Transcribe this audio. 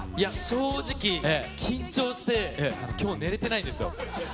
正直、緊張して、きょう、寝れてないんですよ。